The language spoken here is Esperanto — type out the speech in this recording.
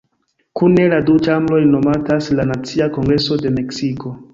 Kune la du ĉambroj nomatas la "Nacia Kongreso de Meksiko".